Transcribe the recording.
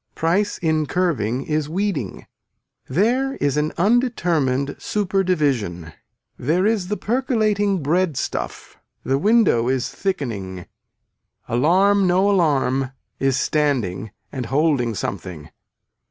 Price in curving is weeding. There is an undetermined super division. There is the percolating bread stuff, the window is thickening. Alarm no alarm is standing and holding something.